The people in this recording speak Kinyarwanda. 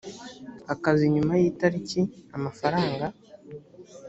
akazi nyuma y itariki amafaranga